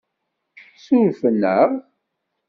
Surfen-aɣ?